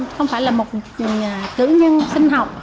không phải là một tử nhân sinh học